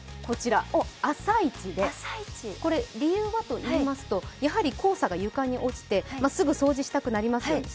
朝イチで、これ理由はといいますとやはり黄砂が床に落ちましてすぐに掃除したくなりますよね